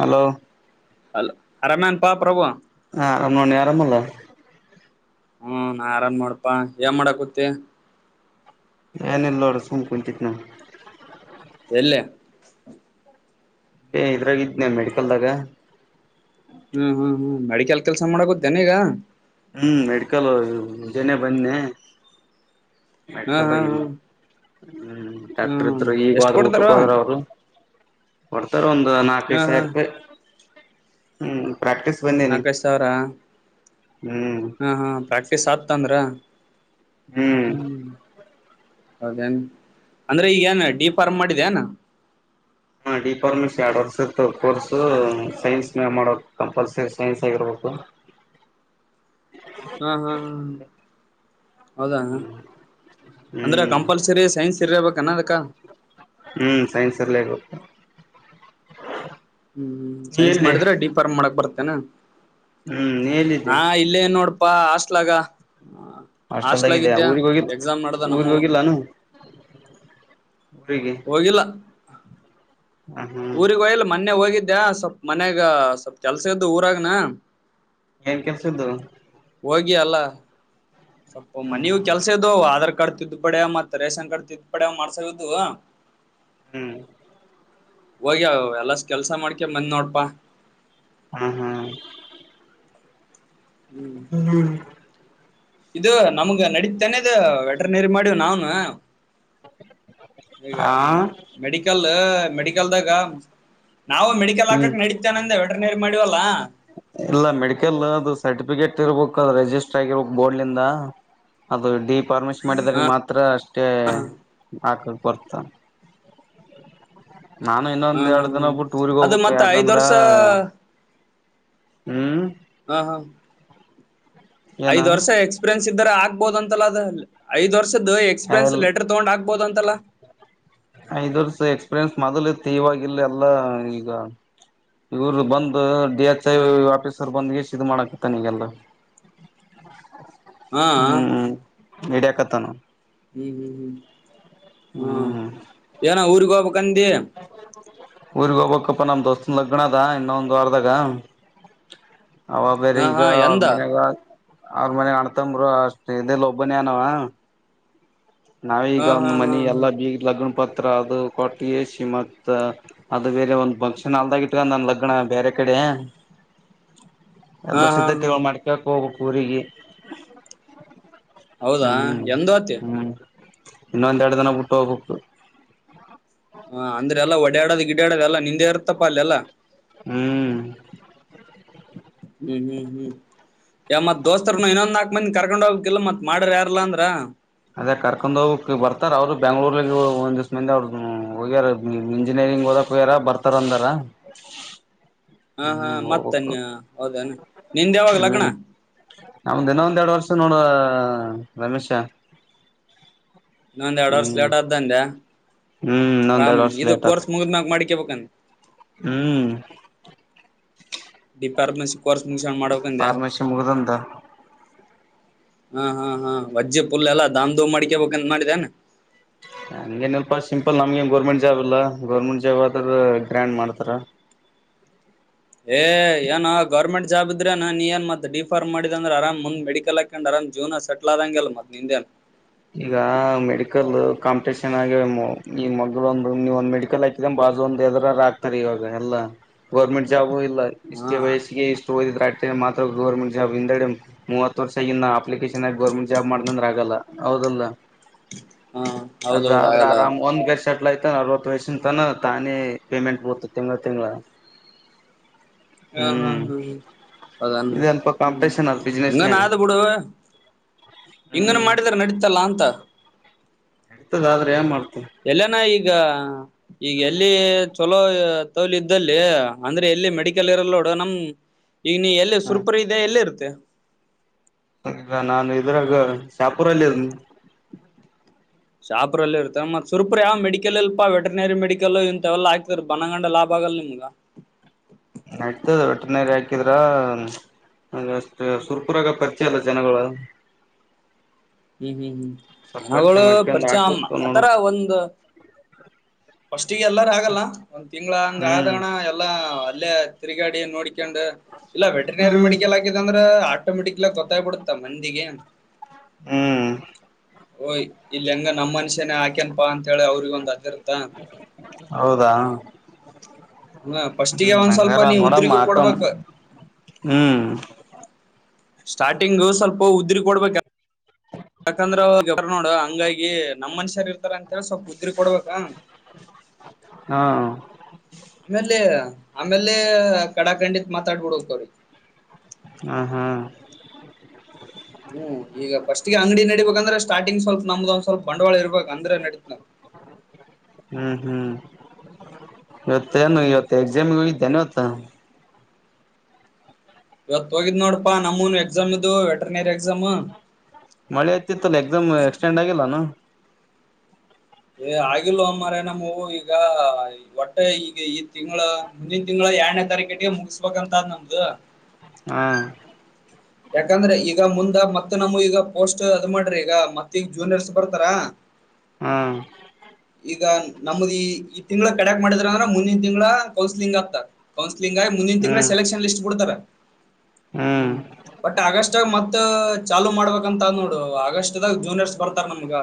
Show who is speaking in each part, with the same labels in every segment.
Speaker 1: Hello
Speaker 2: ಅರಮ್ಯಾನ್ ಪಾ ಪ್ರಭು
Speaker 1: ಹಾ ಅ್ಣಣ ಆರಾಮಲ್ಲ
Speaker 2: ಹ್ಮ ನಾ ಆರಾಮ್ ಮಾಡಪಾ ಏನ್ ಮಾಡಾಕತ್ತ
Speaker 1: ನ ಇಲ್ಲೋ ರ ಸುಮ ಕುಚತ್ನ
Speaker 2: ಹ
Speaker 1: ಇದ್ರಾಗಿದ್ನೆ ಮೆಡಿಕಲ್ದಾಗ
Speaker 2: ಹ್ಮ್ ಹ್ಮ್ ಹ್ಮ್ ಮೆಡಿಕಲ್ ಕೆಲ್ಸ ಮಾಡಕುತ್ತೇನೆ ಈಗ
Speaker 1: ಹ್ಮ್ ಮೆಡಿಕಲ್ ಮುಂಜನೆೇ ಬಂದೆ
Speaker 2: ಹ್ಮ್
Speaker 1: ಮಡಕಲ್ಲ
Speaker 2: ಹ್ಮ್ ಹ್ಮ್
Speaker 1: ಹ್ಮ್ ಡಕ್ಟರ್
Speaker 2: ಹ್ಮ್
Speaker 1: ಇದರು ಈಗ
Speaker 2: ಎಷ್ಟ್
Speaker 1: ಹೋದ್ರರು
Speaker 2: ಕೊಡ್ತಾರ
Speaker 1: ಊಟಕ್ಕೆ ಹೋದ್ರ
Speaker 2: ಹ್ಮ್
Speaker 1: ಅವರು ಕೊರ್ತಾರ ಒಂದ್ ನಾಲ್ಕೈದು ಸಾವಿರಾಯಿ ಹ್ಮ್ ಪ್ರಾಕ್ಟೀಸ್ ಬಂದೇನಿ
Speaker 2: ನಾಕೈದು ಸಾವಿರ
Speaker 1: ಹ್ಮ್
Speaker 2: ಹಾ ಹಾ ಪ್ರಾಕ್ಟೀಸ್ ಆತ ಅಂದ್ರ ಹ ಹ್ಮ್ ಹೌದೇನ್ ಅಂದ್ರೆ ಈಗೇಏನ್ ಡಿ ಫಾರ್ಮ್ ಮಾಡಿದನಾ
Speaker 1: ಹಾ ಡಿಫಾರ್ಮಸಿ ಎರಡ್ ವರ್ಷ ಇತ್ತು ಕೋರ್ಸ ಸೈನ್ಸ್ ಮ ಮಾಡ ಕಂಪಲ್ಸರಿ ಸೈನ್ಸ್ ಆಗಿರ್ಬೇಕು
Speaker 2: ಹ್ಮ ಹ್ಮ್ ಹ್ಮ್ ಹೌದಾ
Speaker 1: ಹ್ಮ್
Speaker 2: ಅಂದ್ರೆ
Speaker 1: ಹ್ಮ್
Speaker 2: ಕಂಪಲ್ಸರಿ ಸೈನ್ಸ್ ಇರಿಬೇಕ ಕ್ಣದಕ್ಕಾ
Speaker 1: ಹ್ಮ್ ಸೈನ್ ಸರ್ಲಗ
Speaker 2: ಹ್ಞೂ ಹ್ಮ್ ಸನ್ಸ್
Speaker 1: ಎಲ್ಲಿ
Speaker 2: ಮಾಡಿದ್ರ ಡಿ ಫ್ರಮ್ ಮಾಡಕ್ ಬರುತ್ ಕನ
Speaker 1: ಹ್ಮ್ ನೀ ಎಲ್ಲಿದ್ದಿ
Speaker 2: ಹಾ ಇಲ್ಲೇ ನೋಡಪಾ ಅಷ್ಟ ಇಲಾಗ
Speaker 1: ಅಷ್ಟ ಸಲ್ದಾಗ ಇದ್ಯಾ ಊಗ್ ಹೋಗಿಲ್ಲ
Speaker 2: ಎಕ್ಸಾಮ್ ನಡ್ದ
Speaker 1: ಊರ್ಗ್
Speaker 2: ನಮ್ಮವು
Speaker 1: ಹೋಗಿಲ್ಲಾನು ಊರಿಗೆ
Speaker 2: ಹೋಗಿಲ್ಲ
Speaker 1: ಹ ಹಾ
Speaker 2: ಊರಿಗೆಗ ಹೋಯಲ್ ಮೊನ್ನೆ ಹೋಗಿದ್ದ ಇದ್ಯಾ ಸ್ವಲ್ಪ್ ಮನ್ಯಾಗ ಸ್ವಲ್ಪ್ ಕೆಲ್ಸ ಇದದ್ದು ಊರಾಗನ
Speaker 1: ಎ ಕೆಲಸೆದು
Speaker 2: ಹ ಅಲ್ಲ ಸ್ವಲ್ಪ ಮನವು ಕೆಲ್ಸದು ಅದರ್ ಶಂಕರ್ ತಿದ್ದು ಪಡ ಮಾಡ್ತಾರೆ ರೇಷನ್ ಕರ್ದು ತಿದ್ದು ಪಡೇ ಮಾಡ್ಸಿದುವ
Speaker 1: ಹ್ಮ್.
Speaker 2: ಹೋಗಿ ಎಲ್ಲ ಕೆಲ್ಸ ಮಾಡ್ಕೊಂಡು ಬಂದೆ ನೋಡಪ್ಪಾ.
Speaker 1: ಹ್ಮ್ ಹ್ಮ್.
Speaker 2: ಹ್ಮ್
Speaker 1: ಹ್ಮ್.
Speaker 2: ಇದು ನಮ್ಗ ನಡೀ ವೆಟರ್ನರಿ ಮಾಡಿವಿ ನಾವು. ಹಾ.
Speaker 1: [unintelligible]
Speaker 2: ಈಗ
Speaker 1: ಆ
Speaker 2: ಮೆಡಿಕಲ ಅ ಮೇಡಿಕಲ್ದಾಗ. ನಾವು ಮೆಡಲ್
Speaker 1: ಹ್ಮ್
Speaker 2: ಹಾಕಕ್ಕ ನಡೆಯುತ್ತೇನೆ ಅಂದೆ. ವೆಟರ್ನರಿ ಮಾಡಿವಲ್ಲಾ.
Speaker 1: ಇಲ್ಲ ಮೆಡಿಕಲ್ ಅದು ಸರ್ಟಿಫಿಕೇಟ್ ಇರ್ಬೇಕು ಅದು ರರಿಜಿಸ್ಟರ್ ಆಗಿರ್ಬೇಕು ಬೋರ್ಡ್ನಂದ ಅದು ಡಿ ಪರ್ಮಿಶ್ ಮಾಡಿದ್ರ ಮಾತ್ರ ಅಷ್ಟೇ ಹಾಕಕ್ಕೇ ಬರ್ತದ ನಾನು ಇನ್ನೊಂದ್
Speaker 2: ಹ್ಮ್ ಹ್ಮ್
Speaker 1: ಎರಡ್
Speaker 2: ಹ್ಮ್
Speaker 1: ದಿನಬ್ಬಟ್ಟು ಊರಿಗೆ
Speaker 2: ಅದು
Speaker 1: ಹೋಗ್ಬೇಕು ಯಾಕಂದ್ರ ಹ್ಮ್
Speaker 2: ಹಾ ಹಾ
Speaker 1: ಏನ
Speaker 2: ಐ್ ವರ್ಷ ಎಕ್ಸ್ಪೀರಿಯನ್ಸ್ ಇದರೆ ಆಗ್ಬಹುದು ಅಂತಲ್ಲ ಅ ಐ್ ವರ್ಷ ದ ಎಕ್ಸ್ಪ್ರೆನ್ಸ್
Speaker 1: ಎಲ್
Speaker 2: ಲಲೆಟರ್ ತಗೊಂಡ ಆಗ್ ಹಬೋದಂತಲ್ಲ
Speaker 1: ಐದ್ ವರ್ಷ ಎಕ್ಸ್ಪೀರಿಯನ್ಸ್ ಮೊದಲುತ್ತು ಇವಾಗಿಲ್ಲ ಎಲ್ಲ ಈಗ ಇವರು ಬಂದು
Speaker 2: ಹಾ ಹಾ
Speaker 1: ವಫಿ ಸರ್ಬಂದಿಗೆ ಇದು ಮಾಡಕ ತಾನಗೆಲ್ಲ
Speaker 2: ಹಾ
Speaker 1: ಹ್ಮ್ ಇಡಿಯಕತ್ತಾನ
Speaker 2: ಹ್ಮ ಹ್ಮ್ ಹ್ಮ ಹ್ಮ
Speaker 1: ಹ್ಮ್
Speaker 2: ಏನ ಊರ್ಗೋಪಕ್ಕಂದಿ
Speaker 1: ಊರಿಗೆಗ್ ಹೋಗ್ಬೇಕಪ್ಪಾ ನಮ್ ದೋಸ್ತನ ಲಗ್ಣ ಅದ ಇನ್ನೊ ಒಂದ್ ವಾರದಾಗ ಹ ಬೇರೆ
Speaker 2: ಹಾ
Speaker 1: ಈಗ
Speaker 2: ಹಾ
Speaker 1: ಅವ
Speaker 2: ಎಂದ
Speaker 1: ಮನೆಾಗ ಅವ್ರ ಮನ ಅಣತಂಬರು ಅಷ್ಟ್ ಇ ಒಬ್ಬನೇ ಅನವ ನಾವ
Speaker 2: ಹಾ
Speaker 1: ಈಗ ಒಂದ್
Speaker 2: ಹಾ ಹಾ
Speaker 1: ಮನಿ
Speaker 2: ಹಾ
Speaker 1: ಎಲ್ಲ ಬೀಗ ಲಗ್ಣ ಪತ್ ಹತ್ರ ಅದು ಕೊಟ್ಟ ಎಸಿ ಮತ್ತ ಅದು ಬೇರೆ ಒಂದ್ ಬಂಕ್ಷನ್ ಅಲ್ದ ಇಟ್ಕ ನನ್ ಲಗ್ನ ಬೇರೆ ಕಡೆ
Speaker 2: ಹಾ ಹಾ
Speaker 1: ಎಲ್ಲ
Speaker 2: ಹಾ
Speaker 1: ಸಿದ್ಧತೆಗಳು ಮಾಡ್ಕಕ್ ಹೋಗ ಪರಿಗೆ
Speaker 2: ಹೌದಾ ಎಂದ ಹೋತಿ
Speaker 1: ಇನ್ನೂ ಒಂದು ಎರಡು ದಿನ ಬಿಟ್ಟು ಹೋಗಬೇಕು
Speaker 2: ಹ ಅಂದ್ರೆ ಎಲ್ಲಾ ಒಡ್ ಅಡ್ಡಾಡಲು ಗಿಡ್ಡದು ಎಲ್ಲ ನಿಂದೆ ಇರುತ್ತೆ ಅಲ್ಲೆಲ್ಲ
Speaker 1: ಹ್ಮ್
Speaker 2: ಹ್ಮ್ ಹ್ಮ್ ಹ್ಮ್ ಯ ಮತ್ ದೋಸ್ತರ್ನು ಇನ್ನೊಂದ ನಾಕ್ ಮಂದಿ ಕರ್ಕೊಂಡ್ ಹೋಗ್ಕಿಲ್ಲ ಮತ್ ಮಾಡರ್ ಯಾರಲ್ಲಾ ಅಂದ್ರ
Speaker 1: ಅದೇ ಕರ್ಕೊಂಡ್ ಹೋಗ್ಬೇಕು ಬರ್ತಾರಾ ಅವರು ಬೆಂಗಳೂರು ಮಂದಿ ಒಂದಿಷ್ಟು ಅವರ ಬೆಂಗಳೂರು ಇಂಜಿನಿಯರಿಂಗ್ ಓದಕ್ಕೆ ಹೋಗಬೇಡ ಬರ್ತಾರೆ
Speaker 2: ಹಾ ಹಾ ಮತ್ತನ್ಯ ಹೌದನ ನಿಂದ ಯಾವಾಗ ಲಗ್ನ
Speaker 1: ಹ್ಮ್ ನಮ್ದ ದಿನ ಒಂದ್ ಎರಡ್ ವರ್ಷ ನೋಡು ರಮೇಶ
Speaker 2: ಇನ್ನೊಂದ್ ಎರಡು ವರ್ಷ
Speaker 1: ಹ್ಮ್
Speaker 2: ಲೇಟ್ ಆದ್ದಂದೆ
Speaker 1: ಹ್ಮ್ ಇನ್ನೊಂದ್
Speaker 2: ಆರಾಮ್
Speaker 1: ಎರಡ್ ವರ್ಷ
Speaker 2: ಇದು
Speaker 1: ಲೇಟ್ ಆತ್
Speaker 2: ಕೋರ್ಸ್ ಮುಗಿದಿದ್ಮೇಲ್ ಮಾಡಿಕೆ ಹ
Speaker 1: ಹ್ಮ್
Speaker 2: ಡಿ ಫಾರ್ಮಸಿ ಕೋರ್ಸ್ ಮುಗಿಸ್ಕೊಂಡ್ ಮಾಡ್ಬೇಕಂದೆ
Speaker 1: ಪಾರ್ಮರ್ಶಿ ಮುಗದಂತ
Speaker 2: ಹಾ ಹಾ ಹಾ ವಜ್ಜ್ಯ ಪುಲ್ಲ ಎಲ್ಲ ಧಮ್ ಧೂಮ್ ಮಾಡ್ಕೋಬೇಕು ಅಂತ ಮಾಡಿದ್ದೇನೆ
Speaker 1: ನಮಗೇನು ಅಪ್ಪ ಸಿಂಪಲ್ ಗೌರ್ಮೆಂಟ್ ಜಾಬ್ ಇಲ್ಲ ಗೌರ್ಮೆಂಟ್ ಜಾಬ್ ಆದ್ಮೇಲೆ ಮಾಡ್ತಾರೆ
Speaker 2: ಏ ಏನೋ ಗೌರ್ಮೆಂಟ್ ಜಾಬ್ ಇದ್ರೆ ನಾನ ನೀ ಏ ಮತ್ತತ್ ಡಿಫರ್ ಮಾಡಿದ ಅಂದ್ರ ಆರಾಮ್ ಮುಂದ ಮೆಡಿಕಲ್ ಹಾಕಂಡು ಆರಾಮ ಜೂನ ಸೆಟಲ್ ಆದದಂಗಲ್ಲ ಮತ್ತ ನಿಂದೇನಾ
Speaker 1: ಈಗ ಮೆಡಿಕಲ್ ಕಾಂಪಿಟಷನ್ ಆಗ ಈ ಮಗಳು ಒಂದು ನೀವ ಒಂದ್ ಮೆಡಿಕಲ್ ಹಾಕಿದ ಬಾಜು ಒಂದ ಹೆದರ ಆಕ್ತಾರೆ ಇವಾಗ ಎಲ್ಲಾ ಗವರ್ಮೆಂಟ್ ಜಾಬು ಇಲ್ಲ
Speaker 2: ಹಾ
Speaker 1: ಇಷ್ಟು ವಾಯ್ಸ್ ಕೆ ಇಷ್ಟು ಓದಿರೋದು ಮೂವತ್ ವರ್ಷ ಆಗಿನ ಅಪ್ಲಿಕೇಶನ್ ಆಗಿ ಗೌರ್ಮೆಂಟ್ ಜಾಬ್ ಮಾಡ್ದಂದ್ರ ಆಗಲ್ಲ ಹೌದಲ್ಲ
Speaker 2: ಹಾ ಹೌದೌದು
Speaker 1: ಅದಾದ್ರೆ
Speaker 2: ಆಗಲ್ಲ
Speaker 1: ಆರಾಮ್ ಒಂದ್ ಗಷ್ಟ್ ಸೆಟ್ಲ್ ಆಯ್ತ ಅರವತ್ತು ವಯಷಸ ತಾನ ತಾನೇ ಪೇಮೆಂಟ್ ಬತ ತಿಂಗಳ ತಿಂಗಳ
Speaker 2: ಹಾ ಹಾ
Speaker 1: ಹ್ಮ್
Speaker 2: ಹಾ ಹ ಅಾನ
Speaker 1: ಇದಲ್ಪ
Speaker 2: ಹ್ಮ
Speaker 1: ಕಾಂಪಿಟೇಷನ್ ಅದ
Speaker 2: ಹಂಗ
Speaker 1: ಬಿಸ್ನೆಸ್ನಾಗ
Speaker 2: ನಾಾದ ಬಿಡುವ ಹಿಂಗನ
Speaker 1: ಹ್ಮ್
Speaker 2: ಮಾಡಿದ್ರ ನಡತಲ್ಲಾ ಅಂತ
Speaker 1: ಇತದ ಆದ್ರೆ ಏನ್ ಮಾಡ್
Speaker 2: ಎಲ್ಲನ ಈ ಈಗ ಈಗ ಎಲ್ಲಿ ಚಲೋ ತೌಲಿ ಇದ್ದಲ್ಲಿ ಅಂದ್ರೆ ಎಲ್ಲಿ ಮೆಡಿಕಲ್ ಇರಲ್ ನೋಡು ನಮ್ ಈಗ ನೀ ಎಲ್ಲಿ
Speaker 1: ಹ
Speaker 2: ಸುರ್ಪರ್ ಇದೆ ಎಲ್ಲಿ ಇರ್ತ ತ್ತೆ
Speaker 1: ಈಗ ನಾನು ಇದ್ರಾಗ ಶಾಪುರಲ್ಲಿರನಿ
Speaker 2: ಶಾಪ್ರಲ್ಲಿ ಇರ್ತಾರೆ ಮತ್ ಸುರ್ಪ್ರ ಯಾವ್ ಮೆಡಿಕಲ್ ಇಲ್ಪಾ ವೆಟನರಿ ಮೆಡಿಕಲ್ ಇಥವೆಲ್ಲಾ ಹಾಕ್ತಾರ ಬನಗಂಡ ಲಾಭ ಆಗಲ್ಲ ನಿಮ್ಗ
Speaker 1: ಆಯ್ತದ ಒಟನರಿ ಹಾಕಿದ್ರ ಸುರ್ಪುರಾಗ ಪರಿಚಿ ಅಲ್ಲ ಜನಗಳು
Speaker 2: ಇಮ್ ಹ್ಮ್
Speaker 1: ಸ್ವಲ್ಪ
Speaker 2: ಹ್ಮ್
Speaker 1: ಪರಿಚಯ
Speaker 2: ಅವಳು
Speaker 1: ಮಾಡ್ಕೊಂಡ್
Speaker 2: ಪರಿಚಯ ಅ
Speaker 1: ಹಾಕ್ಬೇಕು ನೋಡು
Speaker 2: ಆತರ ಒಂದ ಫಸ್ಟಿಗೆ ಎಲ್ಲಾರ ಆಗಲ್ಲ ಒಂದ್ ತಿಂಗಂಗಳ ಹಂಗ
Speaker 1: ಹ್ಮ್
Speaker 2: ಆದಣ ಎಲ್ಲ ಅಲ್ಲೇ ತಿರುಕಾಡಿ ನೋಡ [unintelligible] ಯಾಕಂದ್ರೆ ಇಲ್ಲ ವೆಟನರಿ ಮೆಡಿಕಲ್ ಹ ಆಗಿದೆ ಅಂದ್ರೆ ಆ ಆಟೋಮೆಟಿಕ್ಲ ಗೊತ್ತಾಯ್ಬಿಡುತ್ತಾ ಮಂದಿಗೆ
Speaker 1: ಹ್ಮ್
Speaker 2: [unintelligible] ಯ್ ಇಲ್ಲಿ ಹೆಂಗ ನಮ್ಮ ಮನುಷ್ಯನೇ ಆಕೆ ಬಂದ್ [unintelligible] ಹೇಳಿ ಅವ್ರಿಗ ಒಂದ್ ಅದಿರ್ತ್ತ
Speaker 1: ಹೌದಾ
Speaker 2: [unintelligible] ಹ ಫಸ್ಟಿಗೆ
Speaker 1: ಹ್ಮ್
Speaker 2: ಒಂದ್ ಸ್ವಲ್ಪ
Speaker 1: ಹಂಗಾರ
Speaker 2: ನೀ
Speaker 1: ನೋಡಮ್ಮ
Speaker 2: ಉದ್ರಿಗ
Speaker 1: ಹಾಕಮ್
Speaker 2: ಕೊಡ್ಬೇಕ [unintelligible]
Speaker 1: ಹ್ಮ್
Speaker 2: ಸ್ಟಾರ್ಟಿಂಗ್ ಸ್ವಲ್ಪ ಉದ್ರಿ ಕೊಡ್ಬೇಕ ಯಾಕಂದ್ರೆ ಅವ್ರ ನೋಡು ಹಂಗಾಗಿ ನಮ್ ಮನುಷ್ಯರು ಇರ್ತಾರ ಅಂತೇಳಿ ಸ್ವಲ್ಪ ಉುದ್ರಿ ಕೊಡ್ಬೇಕ
Speaker 1: ಹ [unintelligible]
Speaker 2: ಆಮೇಲೆ ಆಮೇಲೆ ಕಡಖಂಡಿತ್ ಮಾತಾಡ್ಬಿಡ್ವ್ರಿ
Speaker 1: ಹ್ಮ ಹಾ [unintelligible]
Speaker 2: ಹ್ಮ್ ಈಗ ಫಸ್ಟ್ಗೆ ಅಂಗಡಿ ನಡಬೇಕಂದ್ರೆ ಸ್ಟಾರ್ಟಿಂಗ್ ಸ್ವಲ್ಪ ನಮ್ದ ಒಂದ್ ಸ್ವಲ್ಪ ಬಂಡವಾಳ ಇರ್ಬೇಕ ಅಂದ್ರೆ ನಡೀತನ
Speaker 1: ಇವತ್ತ ನು ಇವತ್ತು ಎಕ್ಸಾಮ್ ಎ ಇದ್ದೇನೋ ಇವತ್ತ
Speaker 2: ಇವತ್ ಹೋಗಿದ್ ನೋಡಪಾ ನಮ್ಮೂನು ಎಕ್ಸಾಮ್ ಇದು ವೆಟರ್ನರಿ ಎಕ್ಸಾಮ್
Speaker 1: ಮಳೆ ಆಯ್ತಿ ತಲ್ಲ ಎದಮ್ ಎಕ್ಸ್ಟೆಂಡಂಡ ಆಗಲ್ಲ ನ
Speaker 2: ಏ ಆಗಿಲ್ ಅಮ್ಮ್ರ ನಮ ಈಗ ಹೊಟ್ಟೆ ಈಗ ಈ ತಿಂಗಳ ಮುಂದಿನ ತಿಂಗಳ ಎರಡನೇ ತಾರೀಕಟ್ಟಿಗೆ ಮುಗಸ್ಬೇಕಂತ್ ನಮ್ದು
Speaker 1: ಹಾ
Speaker 2: ಯಾಕಂದ್ರೆ ಈಗ ಮುಂದ ಮತ್ತೆ ನಾವು ಈಗ ಪೋಸ್ಟ್ ಅದ್ ಮಾಡ್ರಿ ಈಗ ಮತ್ತ ಈಗ ಜೂನಿಯರ್ಸ್ ಬರ್ತಾರ
Speaker 1: ಹ್ಮ
Speaker 2: ಈಗ ನಮ್ದ ಈ ತಿಂಗಳ ಕಡಕ್ ಮಾಡಿದ್ರ ಅಂದ್ರೆ ಮುಂದಿನ ತಿಂಗಳ ಕೌನ್ಸಿಲಿಂಗ್ ಆಗ್ತ ಕೌನ್ ತಿಂಗ ಮುಂದಿನ ತಿಂಗಳ
Speaker 1: ಹ್ಮ್
Speaker 2: ಸೆಲೆಕ್ಷನ್ ಲಿಸ್ ಕೊಡ್ತಾರೆ ಹ್ಮ್ ಬಟ್ ಆಗಸ್ಟ್ಕ ಮತ್ತು ಚಾಲುೂ ಮಾಡ್ಬೇಕಂತ ಅದ್ ನೋಡು ಆಗಸ್ಟ್ದಾಗ ಜೂನಿಯರ್ಸ್ ಬರ್ತಾರ ನಮಗ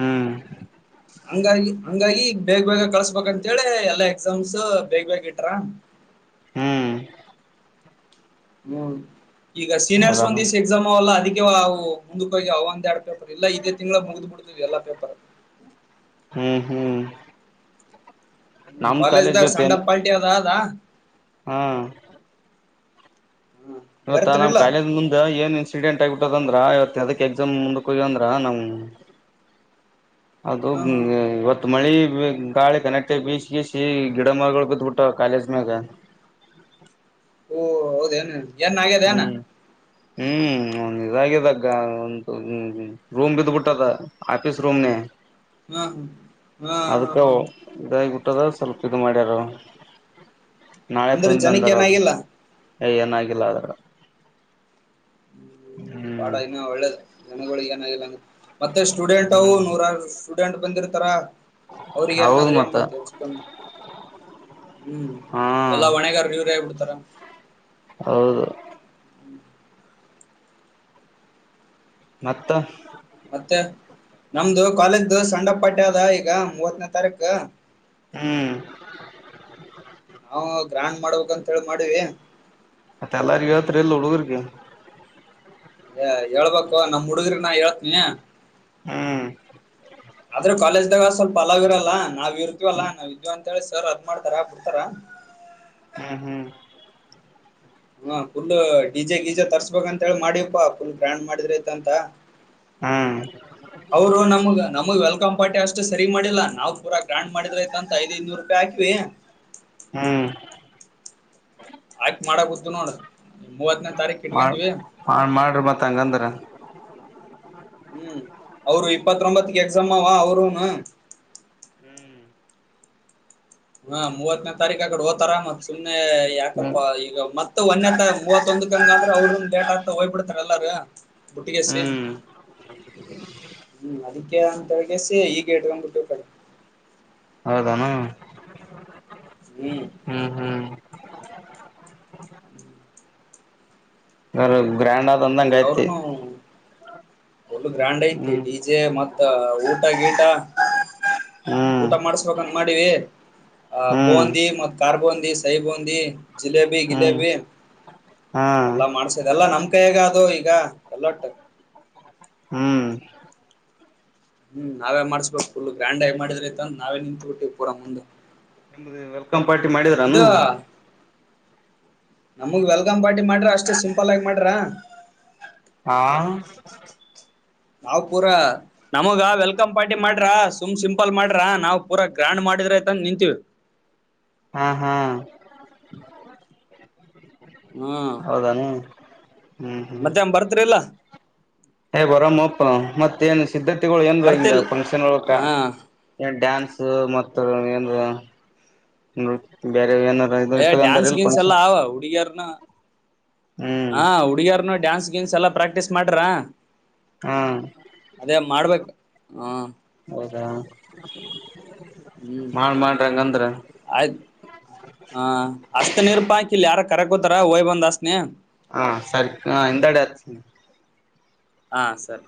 Speaker 1: ಹ್ಮ್
Speaker 2: ಹಂಗಾಗಿ ಹಂಗಾಗಿ ಬೇಗ್ ಬೇಗ ಕಳಸ್ಬೇಕಂತೇಳಿ ಎಲ್ಲಾ ಎಕ್ಸಾಮ್ಸ್ ಬೇಗ ಬೇಗ್ ಇಟ್ರ
Speaker 1: ಹ್ಮ್
Speaker 2: ಮೂನ್ ಈಗ ಸೀನಿಯರ್ಸ್ ಒಂದ
Speaker 1: ಹೌದಾನ
Speaker 2: ದಸ್ ಎಕ್ಸಾಮ್ ಅಲ್ಲ ಅದಕ್ಕೆ [unintelligible] ಮುಂದಕ್ಕೆ ಹೋಗಿ ಅವ ಒಡ್ ಎಲ್ಲಾ ಇದೇ ತಿಂಗ್ಗಳ ಮುಗ್ದು ಬಿಡ್ತ್ ಎಲ್ಲಾ ಪೇಪರ್ [inaudible]
Speaker 1: ಹ್ಮ್ ಹ್ಮ್
Speaker 2: ನಿಮ್
Speaker 1: ನಮ್
Speaker 2: ಕಾಲೇಜ್
Speaker 1: ಜೊತೆ
Speaker 2: ಸೆಂಡ್
Speaker 1: ಏನ್
Speaker 2: ಆಫ್ ಪಾರ್ಟಿ ಅದಾ
Speaker 1: ಹಾ ಇವತ್ತಾ ನಮ್
Speaker 2: ಬರ್ತ್ರಿಲ್ಲ
Speaker 1: ಕಾಲೇಜ ಮುಂದ ಏನ್ ಇನ್ಸಿಡೆಂಟ್ ಆಗಿಬಟ್ಟುತ್ತ [unintelligible] ಇವತ್ತ ಅದಕ್ಕೆ ಎಕ್ಸಾಮ್ ಮುಂದಕ್ಕೆ ಹೋಗ್ಯಂದ್ರ ನಾವ್ ಅದು
Speaker 2: ಹ್ಮ್ ಹ್ಮ್
Speaker 1: ಹ್ಮ ಇವತ್ತು ಮಳಿ ಗಾಳಿ ಗಣೇಟೆ ಬಿಸಿ ಗಿಡ ಮರಗಳು ಬತ್ಬಿಟ್ಟ ಕಾಲೇಜ ಮ್ಯಾಗ
Speaker 2: ಓ ಹೌದೇನ ಹೆಣ್ಣು ಆಾಗ್ಯದ ಅನಾ
Speaker 1: ಹ್ಮ್ ಹ್ಮ್ ಒ ಇದಾಗಿದಗ ಒ ರೂಮ್ ಬಿದ್ಬಿಟ್ಟದ ಆಫೀಸ್ ರೂಮ್ನೆ
Speaker 2: ಹಾ ಹಾ ಹಾ
Speaker 1: ಅದಕ್ಕ
Speaker 2: ಹಾ
Speaker 1: ಇದ ಟ್ಟದ ಸ್ವಲ್ಪ ಇದು ಮಾಡ್ಯಾರ
Speaker 2: ಅಂದ್ರ ಜನಕ್ಕೆ ಏನಾಗಿಲ್ಲ
Speaker 1: ಏನು ಆಗಿಲ್ಲ ಅದು ಎನು ಇಲ್ಲ
Speaker 2: ಪಾಡ ಇನ್ನ ಒಳ್ಳೇದು ಜನಗಳಿಗೆ ಬ ಮತ್ತೆ ಸ್ಟೂಡೆಂಟ್ ಅವು ನೂರ್ಟ ಡಂಟ್ ಬಂದಿರ್ತಾರ ಅವ್ರಿಗೆ
Speaker 1: ಹೌದು
Speaker 2: ಏನಾದ್ರೆ ಏನ್
Speaker 1: ಮತ್ತ
Speaker 2: ಮಾಡ್ತೇವ ಚಕ್ಕ ಹ್ಮ್
Speaker 1: ಹಾ
Speaker 2: ಎಲ್ಲಾ ಹೊಣೆಗಾರರು ಇವರ ಹೇಬಿಡ್ತಾರ
Speaker 1: ಹೌದು ಮತ್ತ
Speaker 2: ಮತ್ತೆ ನಮ್ದು ಕಾಲೇಜ್ದು ಸೆಂಡ್ ಅಪ್ ಪಟ್ಟ್ಯ ಅದ ಈಗ ಮೂವತ್ತನೇ ತಾರೀಕು
Speaker 1: ಹ್ಮ್
Speaker 2: ಗ್ರಾಂಡ್ ಮಾಡ್ಬೇಕಕ್ಂತ ಹೇಳಿ ಮಾಡಿವಿ
Speaker 1: ಮತ್ತೆ ಎಲ್ಲರಿಗೂ ಹೇಳುತ್ತಿರಲಿ ಹುಡುಗರಿಗೆ
Speaker 2: ಏ ಹೇಳ್ಬೇಕು ನಮ್ ಹುಡಗ್ರಿ ನಾ ಹೇಳ್ತನಿ
Speaker 1: ಹ್ಮ್
Speaker 2: ಆದ್ರೆ ಕಾಲೇಜ್ದಾಗ ಸ್ವಲ್ಪ ಹಲಾವ್ ಇರಲ್ಲ ನಾವ್ ಇರ್ತವಲ್ಲಾ ನಾವ ಇದ್ವಿ ಅಂತ ಹೇಳಿ ಸರ್ ಅದ್ ಮಾಡ್ತಾರ ಬಿಡ್ತಾರ
Speaker 1: ಹ್ಮ್ ಹ್ಮ್
Speaker 2: ಹಾ ಫುಲ್ ಡಿಜೆ ಗೀಜೆ ತರ್ಸ್ಬೇಕ ಅಂತ ಹೇಳಿ ಮಾಡ್ಯಪ್ಪಾ ಫುಲ್ ಗ್ರ್ಯಾಂಡ್ ಮಾಡಿದ್ರ ಐತಂತ
Speaker 1: ಹ್ಮ್
Speaker 2: ಅವರು ನಮಗ ನಮಗ ವೆಲ್ಕಮ್ ಪಟಿ ಅಷ್ಟು ಸರಿ ಮಾಡಿಲ್ಲ ನಾವು ಪೂರ ಗ್ರಾಂಡ್ ಮಾಡಿದ್ರಯ್ತ ಅಂತ ಐದ್ ಐದು ಇನೂರು ರೂಪಾಯಿ ಹಾಕ್ವಿ
Speaker 1: ಹ್ಮ್
Speaker 2: ಆಯ್ತ್ ಮಾಡಗುತ್ತು ನೋಡು
Speaker 1: ಮಾಡ ಹ ಮಾಡ್ರಿ ಮತ್ತ ಹಂಗಂದ್ರ
Speaker 2: ಹ್ಮ್ ಅವರು ಇಪ್ಪತರೂಂಬತ್ಕ ಎಕ್ಸಾಮವಾ ಅವರುನು
Speaker 1: ಹ್ಮ್
Speaker 2: ಹಾ ಮೂವತ್ನೇ ತಾರಿಕ್ ಆಕಡೆ ಹೊದ ತರಾಮತ್ ಸುಮ್ನೆ ಯಾಕಪ್ಪ
Speaker 1: ಹ್ಮ್
Speaker 2: ಈಗ ಮತ್ತ ಒಂದೆ ಮೂವತ್ತೊಂದ ಕಂಗ ಅಂದ್ರೆ ಅವರು ಲೇಟ್ ಆಗ್ತಾ ಹೋಗ್ಬಿಡ್ತರಲ್ಲ [unintelligible] ುಟ್ಟಿಿಗೆಸ
Speaker 1: ಹ್ಮ್
Speaker 2: ಹ್ಮ ಅದ ಅಂತಗೆಸ ಈಗ ಇಟ್ಕೊಂಡ್ಬಿಟ್ಟು ಕಡೆ
Speaker 1: ಹೌದಾನ ಹ್ಮ್ ಹ್ಮ್ [inaudible] ಹರದು
Speaker 2: ಅವ್ರನು ಒಳ್ಳು ಗ್ರ್ಯಾಂಡ್ ಐತಿ
Speaker 1: ಹ್ಮ್
Speaker 2: ಡಿ ಜೆ ಮತ್ತ ಊಟ ಗೀಟ
Speaker 1: ಹ್ಮ್
Speaker 2: ಊಟ ಮಾಡಸ್ಬೇಕಂತ ಮಾಡಿದಿ ಆ
Speaker 1: ಹ್ಮ್
Speaker 2: ಬೂಂದಿ ಮತ್ ಕಾರ್ಬೂಂದಿ ಸೈ ಬೂಂದಿ ಜಿಲೇಬಿ
Speaker 1: ಹ್ಮ್
Speaker 2: ಗಿಲೇಬಿ
Speaker 1: ಹಾ
Speaker 2: ಎಲ್ಲಾ ಮಾಡಸದೆ ಎಲ್ಲಾ ನಮ ಹೇಗ ಅದು ಈಗ ಎಲ್ಲೊಟ್ಟ
Speaker 1: ಹ್ಮ್
Speaker 2: ಹ್ಮ್ ನಾವೇ ಮಾಡಸ್ಬೇಕು ಫುಲ್ ಗ್ರ್ಯಾಂಡ್ ಆಗಿ ಮಾಡಿದ್ರಿತ ನಾವೇ ನ ನಾವೇನ್ ನಿಂತ್ಬಿಟ್ಟಿದೀವಿ ಮುಂದೆ ಪೂರ ಮುಂದು
Speaker 1: ವಲ್ಕ ಕಂ ಪಾರ್ಟಿ ಮಾಡಿದ್ರಾನು
Speaker 2: ನಮಗ್ ವೆಲ್ಕಮ್ ಪಾರ್ಟಿ ಮಾಡ್ರ ಅಷ್ಟೇ ಸಿಂಪಲ್ ಆಗಿ ಮಾಡ್ರ
Speaker 1: ಹಾ
Speaker 2: ನಾವು ಪೂರಾ ನಮಗ ವೆಲ್ಕ್ ಪಾರ್ಟಿ ಮಾಡಿ ಸುಮ್ ಸಿಂಪಲ್ ಮಾಡ್ರಾ ನಾವ್ ಪೂರ ಗ್ರ್ಯಾಂಡ್ ಮಾಡಿದ್ರ ಆಯತ ನಿಂತೀವಿ
Speaker 1: ಹಾ ಹಾ ಹೌದಾನ
Speaker 2: ಮತ್ತ್ಯಾ ಬರ್ತ್ರಿಲ್ಲಾ
Speaker 1: ಹೇಗೋರ್ಪ್ಪ ಮತ್ತೇನ್ ಸಿದ್ಧತೆಗಳು ಏನ್ರ ಹಿಂಗ
Speaker 2: ಬರ್ತಿಲ್
Speaker 1: ಫಂಕ್ಷನ್ಕ
Speaker 2: ಹಾ
Speaker 1: ಡ್ಯಾನ್ಸ್ ಮತ್ತ ಏನ್
Speaker 2: ಡ್ಯಾನ್ಸ್ ಗಿನ್ಸ್ ಎಲ್ಲಾ ಆ ಹುಡುಗಿಯರ್ನು
Speaker 1: ಹ್ಮ್
Speaker 2: ಹ ಹುಡುಗರ್ನು ಡ್ಯಾನ್ಸ್ ಗಿನ್ಸ್ ಎಲ್ಲಾ ಪ್ರಾಕ್ಟ ಪ್ರಕ್ಟೀಸ್ ಮಾಡ್ರಾ
Speaker 1: ಹಾ
Speaker 2: ಅದೇ ಮಾಡ್ಬೇಕು ಹ್ಮ
Speaker 1: ಹ
Speaker 2: ಹ್ಮ್ ಆಯ್ ಹ ಹಸ್ತ ನಿರಪ ಹಾಕಿ ಇಲ್ಲಿ ಯಾರ ಕರ ಗೊತ್ತ ರ ಹಯ್ ಬಂದ ಅಸ್ಥಿನಿ
Speaker 1: ಹಾ ಸರಿ ಎಂತಡೆ ಆತ
Speaker 2: ಹಾ ಸರಿ